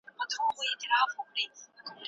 آزاد بحثونه د ټولني ذهنيت جوړوي.